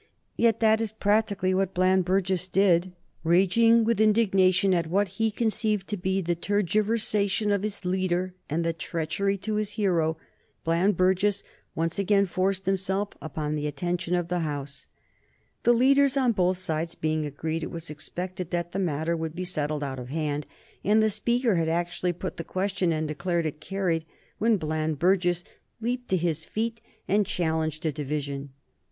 Yet that is practically what Bland Burges did. Raging with indignation at what he conceived to be the tergiversation of his leader and the treachery to his hero, Bland Burges once again forced himself upon the attention of the House. The leaders on both sides being agreed, it was expected that the matter would be settled out of hand, and the Speaker had actually put the question and declared it carried when Bland Burges leaped to his feet and challenged a division.